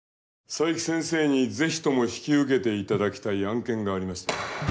佐伯先生に是非とも引き受けていただきたい案件がありましてね。